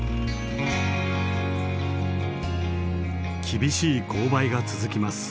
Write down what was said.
厳しい勾配が続きます。